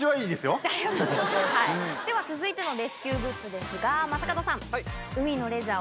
では続いてのレスキューグッズですが正門さん海のレジャー